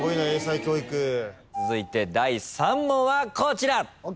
続いて第３問はこちら。